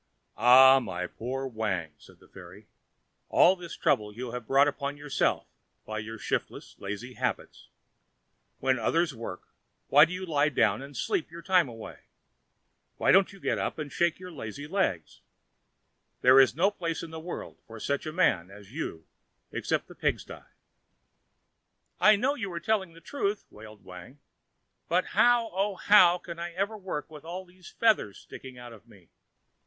"Ah, my poor Wang," said the fairy, "all this trouble you have brought upon yourself by your shiftless, lazy habits. When others work, why do you lie down and sleep your time away? Why don't you get up and shake your lazy legs? There is no place in the world for such a man as you except the pig sty." "I know you are telling the truth," wailed Wang, "but how, oh, how can I ever work with all these feathers sticking out of me?